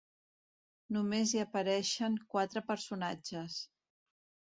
Només hi apareixen quatre personatges: